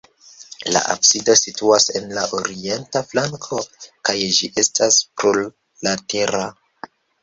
La absido situas en la orienta flanko kaj ĝi estas plurlatera.